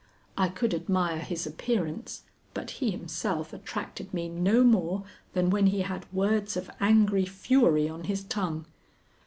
I could admire his appearance, but he himself attracted me no more than when he had words of angry fury on his tongue.